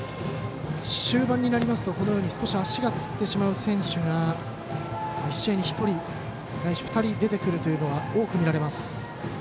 終盤になりますと足がつってしまう選手が試合に１人ないし２人出てくるというのが多く見られます。